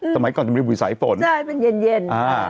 สมัยก่อนจะเป็นบุหรี่สายฝนใช่เป็นเย็น